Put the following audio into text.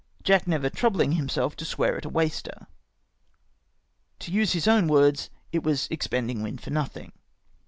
Jack never troubling himself to swear at a waister. To use his own words, it " was expending wind for nothing."